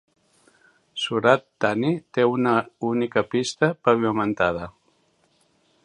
Surat Thani té una única pista pavimentada.